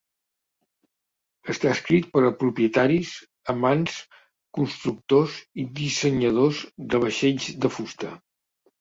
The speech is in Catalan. Està escrit per a propietaris, amants, constructors i dissenyadors de vaixells de fusta.